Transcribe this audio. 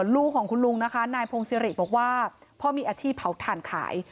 ลูกของคุณลุงนะคะนายพงศิริบอกว่าพ่อมีอาชีพเผาถ่านขาย